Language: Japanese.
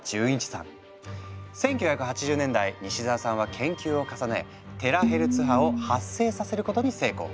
１９８０年代西澤さんは研究を重ねテラヘルツ波を発生させることに成功。